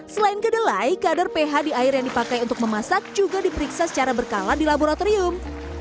selain kedelai kadar ph di air yang dipakai untuk memasak juga diperiksa secara berkala di laboratorium